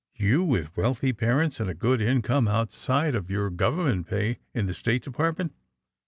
'^You, with wealthy parents and a ^ood income ontside of yonr government pay in the State Depart ment!''